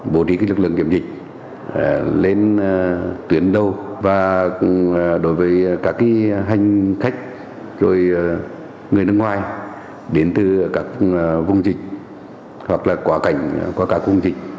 bổ trí lực lượng kiểm dịch lên tuyến đầu và đối với các hành khách người nước ngoài đến từ các vùng dịch hoặc là quả cảnh của các vùng dịch